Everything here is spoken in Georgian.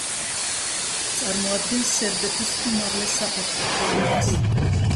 წარმოადგენს სერბეთის უმაღლეს საფეხბურთო ლიგას.